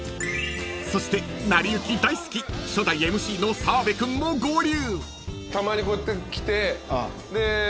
［そして『なりゆき』大好き初代ＭＣの澤部君も合流］